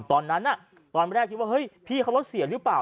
ตอนแรกตอนแรกคิดว่าเฮ้ยพี่เขารถเสียหรือเปล่า